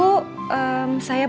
boleh titip beberapa kemeja nino